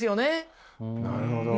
なるほど。